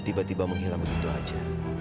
tiba tiba menghilang begitu saja